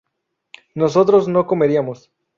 nosotros no comeríamos